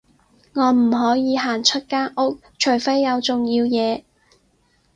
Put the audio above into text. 我唔可以行出間屋，除非有重要嘢